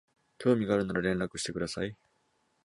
興味があるなら連絡してください